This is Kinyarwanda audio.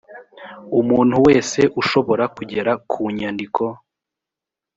umuntu wese ushobora kugera ku nyandiko